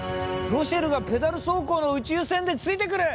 ロシェルがペダル走行の宇宙船でついてくる！